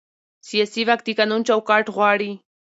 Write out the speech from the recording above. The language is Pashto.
سیاسي واک د قانون چوکاټ غواړي